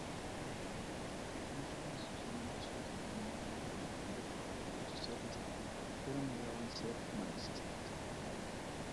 Muchos de sus miembros originariamente habían pertenecido al Partido Socialista pero negaban ser marxistas.